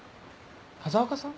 風岡さん？